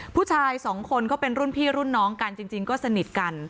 ผู้ชายสองคนก็เป็นรุ่นพี่รุ่นน้องกันจริงก็สนิทกัน